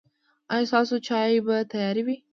ایا ستاسو چای به تیار وي؟